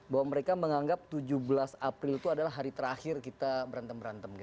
bahwa mereka menganggap tujuh belas april itu adalah hari terakhir kita berantem berantem